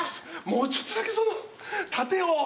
もうちょっとだけそのう。